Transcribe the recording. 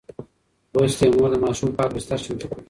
لوستې مور د ماشوم پاک بستر چمتو کوي.